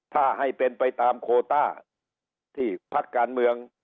ถ้าให้เป็นไปตามโคต้าที่พักการเมือง